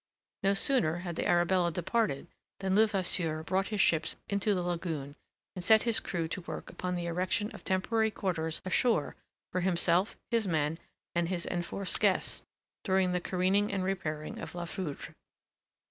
No sooner had the Arabella departed than Levasseur brought his ships into the lagoon, and set his crew to work upon the erection of temporary quarters ashore for himself, his men, and his enforced guests during the careening and repairing of La Foudre.